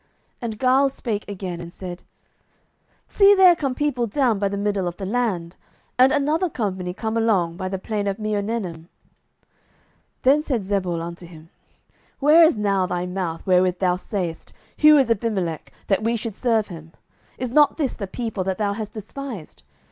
07:009:037 And Gaal spake again, and said, See there come people down by the middle of the land, and another company come along by the plain of Meonenim. 07:009:038 Then said Zebul unto him, Where is now thy mouth, wherewith thou saidst, Who is Abimelech, that we should serve him? is not this the people that thou hast despised?